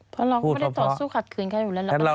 เพราะเราก็ไม่ได้ต่อสู้ขัดขืนใครอยู่แล้ว